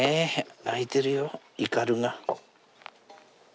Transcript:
鳴いてるよイカルが。